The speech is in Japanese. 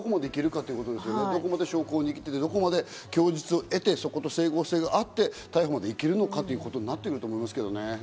どこまで証拠を握っていて、どこまで供述をこうやって整合性があって逮捕までいけるのかということになってくると思いますけどね。